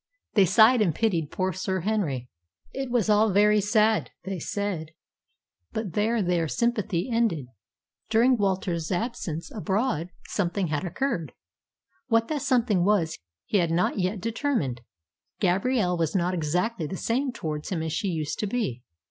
They sighed and pitied poor Sir Henry. It was all very sad, they said; but there their sympathy ended. During Walter's absence abroad something had occurred. What that something was he had not yet determined. Gabrielle was not exactly the same towards him as she used to be.